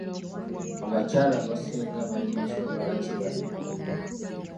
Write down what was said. Abakyala abasing balina ensonga lwaki banoba.